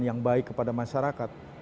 yang baik kepada masyarakat